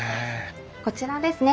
こちらですね